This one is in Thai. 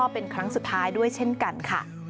เป็นครั้งสุดท้ายด้วยเช่นกันค่ะ